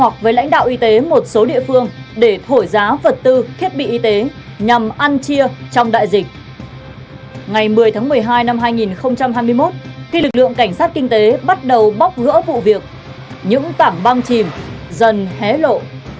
cảm băng chìm dần hé lộ